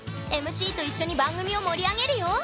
ＭＣと番組を盛り上げるよ！